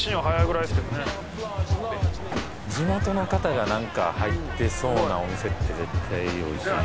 地元の方が何か入ってそうなお店って絶対おいしいですよね